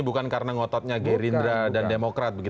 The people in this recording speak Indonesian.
ini bukan karena ngototnya gerindra dan demokrat begitu